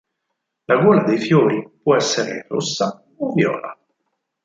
La gola dei fiori può essere rossa o viola.